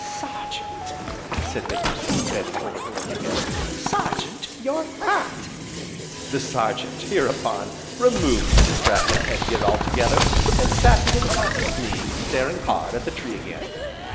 "Sergeant," said Miss Priscilla, bending over her work again, "Sergeant, your hat!" The Sergeant, hereupon, removed the distracting head gear altogether, and sat with it upon his knee, staring hard at the tree again.